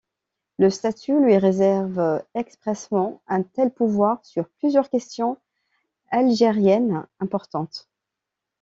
Le statut lui réserve expressément un tel pouvoir sur plusieurs questions algériennes importantes.